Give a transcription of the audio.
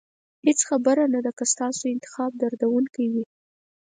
هېڅ خبره نه ده که ستاسو انتخاب به دردونکی وي.